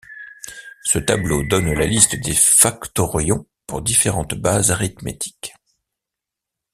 Ce tableau donne la liste des factorions pour différentes bases arithmétiques.